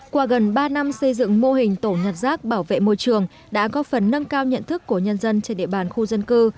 qua gần ba năm xây dựng mô hình tổ nhặt rác bảo vệ môi trường đã có phần nâng cao nhận thức của nhân dân trên địa bàn khu dân cư